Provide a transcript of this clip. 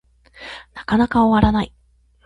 なかなか終わらない